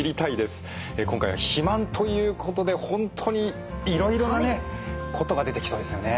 今回は「肥満」ということで本当にいろいろなねことが出てきそうですよね。